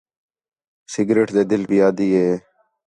سگریٹ ݙے دِل پئی آہدی ہے